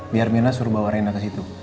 biar mirna suruh bawa reina kesitu